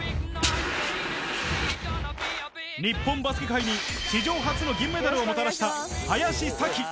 日本バスケ界に史上初の銀メダルをもたらした林咲希。